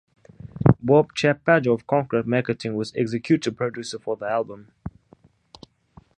Bob Chiappardi of Concrete Marketing was executive producer for the album.